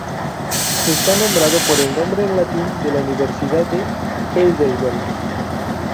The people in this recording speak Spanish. Está nombrado por el nombre en latín de la universidad de Heidelberg.